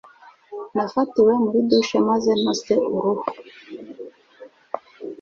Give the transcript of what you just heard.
Nafatiwe muri douche maze ntose uruhu.